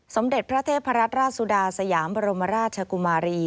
สมเด็จพระเทพรัตนราชสุดาสยามบรมราชกุมารี